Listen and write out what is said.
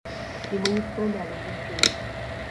І мы не стралялі зусім.